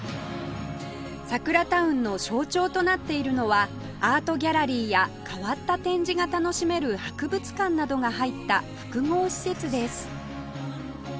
サクラタウンの象徴となっているのはアートギャラリーや変わった展示が楽しめる博物館などが入った複合施設です